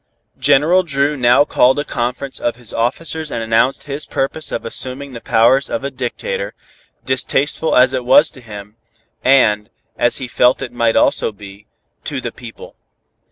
General Dru now called a conference of his officers and announced his purpose of assuming the powers of a dictator, distasteful as it was to him, and, as he felt it might also be, to the people.